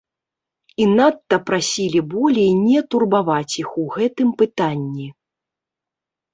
І надта прасілі болей не турбаваць іх у гэтым пытанні.